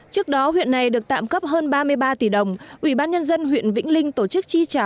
trước đó huyện này được tạm cấp hơn ba mươi ba tỷ đồng ủy ban nhân dân huyện vĩnh linh tổ chức chi trả